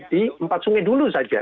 di empat sungai dulu saja